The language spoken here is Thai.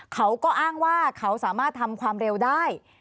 เขาก็อ้างว่าเขาสามารถทำความเร็วได้